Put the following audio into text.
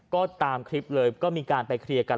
ก็ตามคลิปเลยก็มีการไปเคลียร์กัน